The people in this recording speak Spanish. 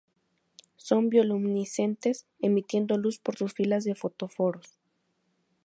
Son bioluminiscentes, emitiendo luz por sus filas de fotóforos.